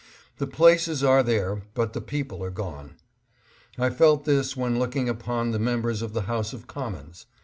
The places are there, but the people are gone. I felt this when looking upon the members of the House of Com mons.